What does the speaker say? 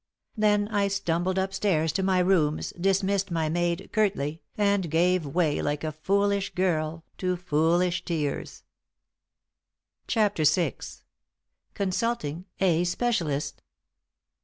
Then I stumbled up stairs to my rooms, dismissed my maid curtly, and gave way like a foolish girl to foolish tears. *CHAPTER VI.* *CONSULTING A SPECIALIST.